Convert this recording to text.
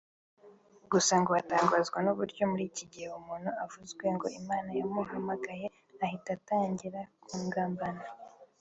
Gusa ngo atangazwa n’uburyo muri iki gihe umuntu uvuzwe ngo Imana yamuhamagaye ahita atangira kugambana